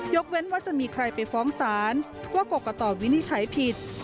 เว้นว่าจะมีใครไปฟ้องศาลว่ากรกตวินิจฉัยผิด